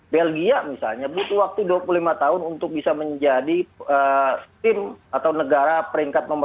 belgia misalnya butuh waktu dua puluh lima tahun untuk bisa menjadi tim atau negara peringkat nomor satu